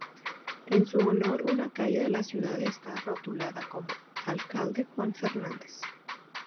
En su honor una calle de la ciudad está rotulada como "Alcalde Juan Fernández".